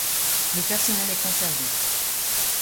Le personnel est conservé.